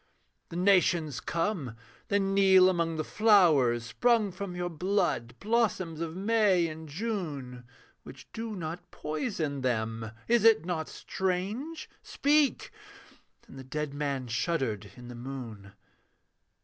The nations come; they kneel among the flowers Sprung from your blood, blossoms of May and June, Which do not poison them is it not strange? Speak!' And the dead man shuddered in the moon.